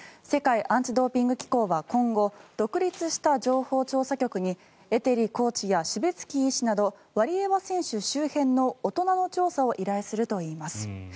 世界アンチ・ドーピング機構は今後、独立した情報調査局にエテリコーチやシュベツキー医師などワリエワ選手周辺の大人の調査を依頼するといいます。